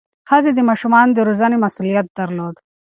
ښځې د ماشومانو د روزنې مسؤلیت درلود.